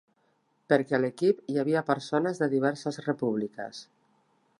Perquè a l'equip hi havia persones de diverses repúbliques.